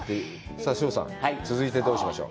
さあ、翔さん、続いてどうしましょう？